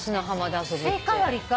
スイカ割りか。